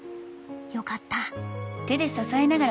よかった。